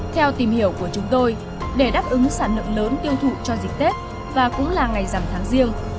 theo tìm hiểu của chúng tôi để đáp ứng sản lượng lớn tiêu thụ cho dịp tết và cũng là ngày giảm tháng riêng